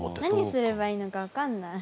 何すればいいのか分かんない。